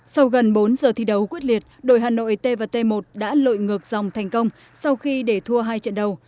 sau gần bốn giờ thi đấu quyết liệt đội hà nội t và t một đã lội ngược dòng thành công sau khi để thua hai trận đầu